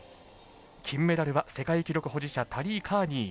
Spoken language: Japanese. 金メダルは世界記録保持者タリー・カーニー。